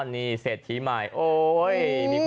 นี่เศษทีใหม่